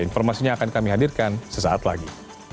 informasinya akan kami hadirkan sesaat lagi